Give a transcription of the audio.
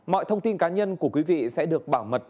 mọi thông tin cá nhân của quý vị sẽ được bảo mật